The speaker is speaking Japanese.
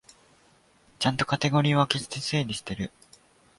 ちゃんとカテゴリー分けして整理してる